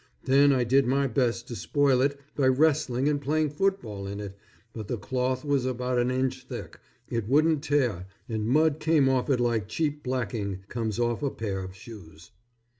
Then I did my best to spoil it by wrestling and playing football in it, but the cloth was about an inch thick, it wouldn't tear and mud came off it like cheap blacking comes off a pair of shoes.